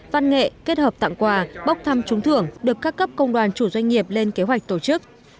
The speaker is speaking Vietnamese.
văn nghệ kết hợp tặng quà bốc thăm trúng thưởng được các cấp công đoàn chủ doanh nghiệp lên kế hoạch tổ chức